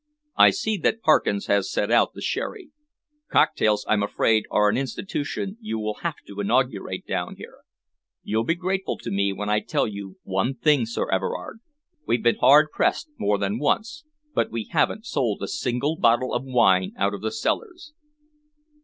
I see that Parkins has set out the sherry. Cocktails, I'm afraid, are an institution you will have to inaugurate down here. You'll be grateful to me when I tell you one thing, Sir Everard. We've been hard pressed more than once, but we haven't sold a single bottle of wine out of the cellars."